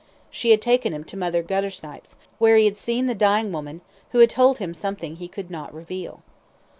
She had taken him to Mother Guttersnipe's, where he had seen the dying woman, who had told him something he could not reveal.